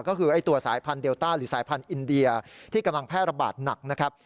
ก็คือตัวสายพันธุเดลต้าหรือสายพันธุ์อินเดียที่กำลังแพร่ระบาดหนักนะครับ